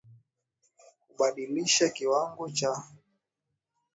Hubadilisha kiwango cha calcification na kufukuza zooxanthellae